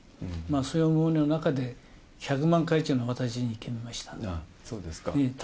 そういう思いの中で、１００万回というのは私が決めました。